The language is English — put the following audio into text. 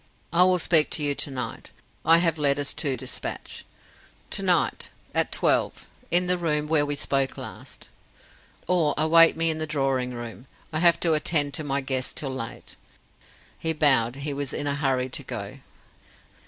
I will speak to you to night. I have letters to dispatch. To night: at twelve: in the room where we spoke last. Or await me in the drawing room. I have to attend to my guests till late." He bowed; he was in a hurry to go.